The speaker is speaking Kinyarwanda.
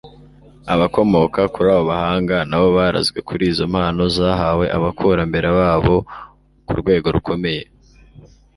abakomoka kuri abo bahanga nabo barazwe kuri izo mpano zahawe abakurambera babo ku rwego rukomeye